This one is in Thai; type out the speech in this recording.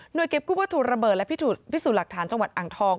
โดยเก็บกู้วัตถุระเบิดและพิสูจน์หลักฐานจังหวัดอ่างทอง